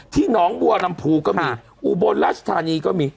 หนองบัวลำพูก็มีอุบลราชธานีก็มี